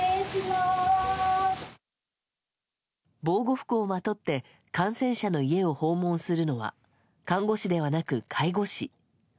防護服をまとって感染者の家を訪問するのは看護師ではなく介護士。